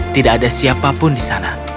tidak ada siapapun di sana